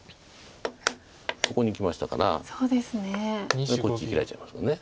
ここにきましたからこっちにヒラいちゃいますよね。